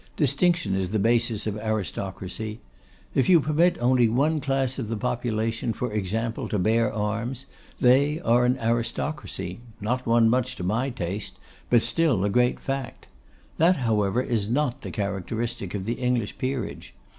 Distinction is the basis of aristocracy. If you permit only one class of the population, for example, to bear arms, they are an aristocracy; not one much to my taste; but still a great fact. That, however, is not the characteristic of the English peerage.